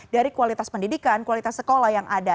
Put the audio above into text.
dari kualitas pendidikan kualitas sekolah yang ada